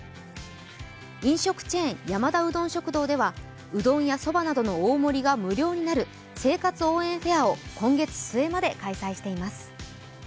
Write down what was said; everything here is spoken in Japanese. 飲食チェーン山田うどん食堂ではうどんやそばなどの大盛りが無料になる、生活応援フェアを今月末まで開催しています。